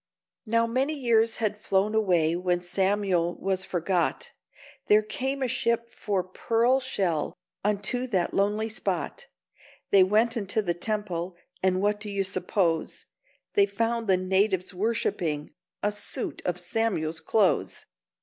Now many years had flown away when Samuel was forgot, There came a ship for pearl shell unto that lonely spot; They went into the temple, and what do you suppose They found the natives worshipping—a suit of Samuel's clothes!